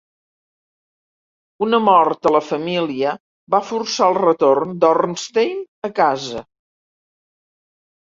Una mort a la família va forçar el retorn d'Ornstein a casa.